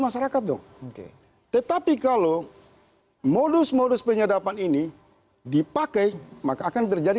masyarakat dong oke tetapi kalau modus modus penyadapan ini dipakai maka akan terjadi